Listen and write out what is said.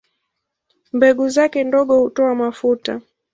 Mbegu zake ndogo hutoa mafuta.